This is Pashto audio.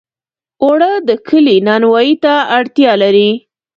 اوړه د کلي نانوایۍ ته اړتیا لري